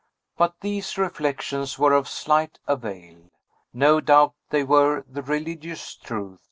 But these reflections were of slight avail. No doubt they were the religious truth.